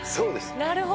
なるほど。